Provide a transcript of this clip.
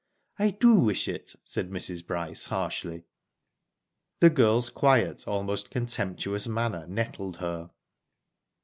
*'I do wish it," said Mrs. Bryce, harshly. The girFs quiet, almost contemptuous, manner nettled her.